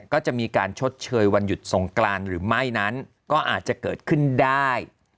ก็จะมีการชดเชยวันหยุดสงกรานหรือไม่นั้นก็อาจจะเกิดขึ้นได้